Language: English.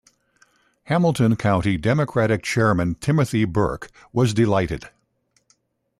Hamilton County Democratic chairman Timothy Burke was delighted.